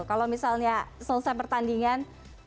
kalau misalnya selesai pertandingan